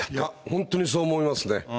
本当にそう思いますね。